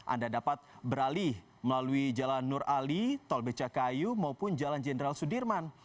anda dapat beralih melalui jalan nur ali tol becakayu maupun jalan jenderal sudirman